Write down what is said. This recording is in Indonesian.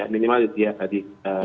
minimal di pihak tadi